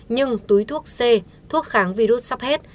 nhưng túi thuốc c thuốc kháng virus sắp hết